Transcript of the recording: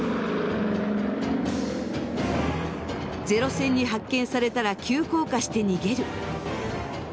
ゼロ戦に発見されたら急降下して逃げる。